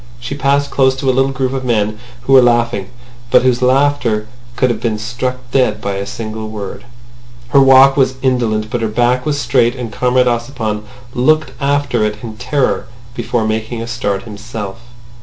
She passed close to a little group of men who were laughing, but whose laughter could have been struck dead by a single word. Her walk was indolent, but her back was straight, and Comrade Ossipon looked after it in terror before making a start himself.